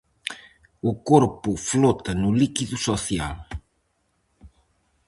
O Corpo flota no líquido social.